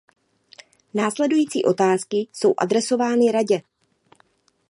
Následující otázky jsou adresovány Radě.